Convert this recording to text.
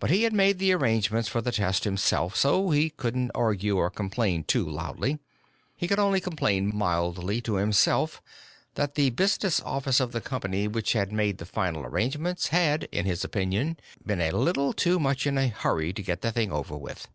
But he had made the arrangements for the test himself, so he couldn't argue or complain too loudly. He could only complain mildly to himself that the business office of the company, which had made the final arrangements, had, in his opinion, been a little too much in a hurry to get the thing over with.